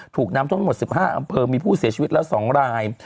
ถูกน้ำทั้งหมด๑๕อำเภอมีผู้เสียชีวิตแล้ว๒ราย